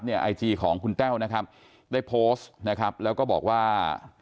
ไอจีของคุณแต้วนะครับได้โพสต์นะครับแล้วก็บอกว่า